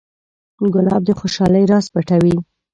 ګلاب د خوشحالۍ راز پټوي.